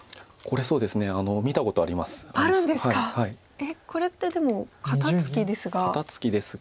えっこれってでも肩ツキですが。